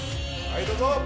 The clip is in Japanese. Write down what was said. はいどうぞ。